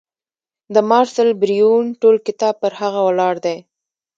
د مارسل بریون ټول کتاب پر هغه ولاړ دی.